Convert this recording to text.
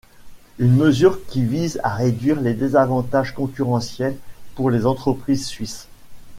Une mesure qui vise à réduire les désavantages concurrentielles pour les entreprises suisses.